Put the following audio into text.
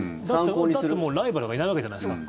だってもうライバルがいないわけじゃないですか。